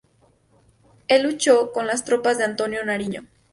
Él luchó con las tropas de Antonio Nariño.